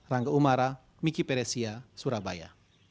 rangga umara miki peresia surabaya